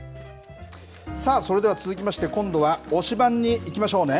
さあ、それでは続きまして、今度は推しバン！にいきましょうね。